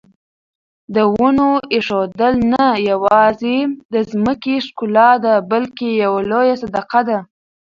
د ونو ایښودل نه یوازې د ځمکې ښکلا ده بلکې یوه لویه صدقه ده.